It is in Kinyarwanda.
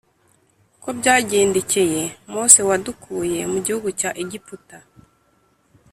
uko byagendekeye Mose wadukuye mu gihugu cya Egiputa